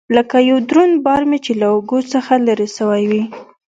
لکه يو دروند بار مې چې له اوږو څخه لرې سوى وي.